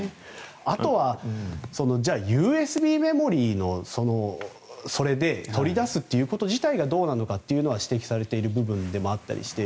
あとは、じゃあＵＳＢメモリーから取り出すということ自体がどうなのかというのは指摘されている部分でもあったりして。